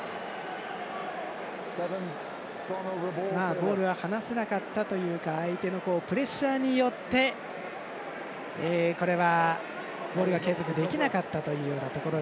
ボールが離せなかったというか相手のプレッシャーによってこれは、ボールが継続できなかったというところ。